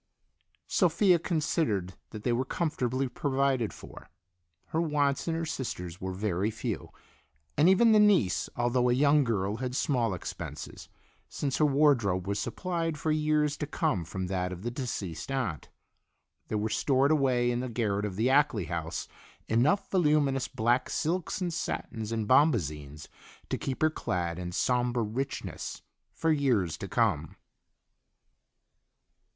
Sophia considered that they were comfortably provided for. Her wants and her sister's were very few, and even the niece, although a young girl, had small expenses, since her wardrobe was supplied for years to come from that of the deceased aunt. There were stored away in the garret of the Ackley house enough voluminous black silks and satins and bombazines to keep her clad in somber richness for years to come.